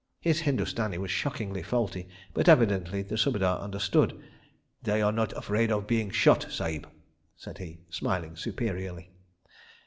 His Hindustani was shockingly faulty, but evidently the Subedar understood. "They are not afraid of being shot, Sahib," said he, smiling superiorly.